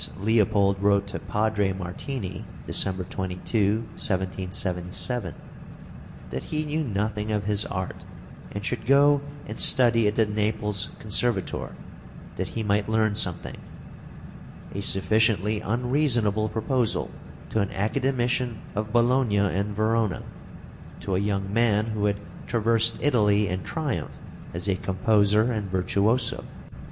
} (344) Leopold wrote to Padre Martini (December 22, 1777) that he knew nothing of his art, and should go and study at the Naples Conservatoire that he might learn something; a sufficiently unreasonable proposal to an academician of Bologna and Verona to a young man who had traversed Italy in triumph as a composer and virtuoso.